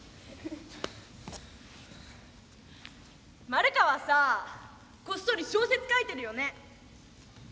「マルカワさあこっそり小説書いてるよね」。